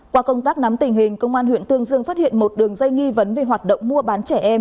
qua công tác nắm tình hình công an huyện tương dương phát hiện một đường dây nghi vấn về hoạt động mua bán trẻ em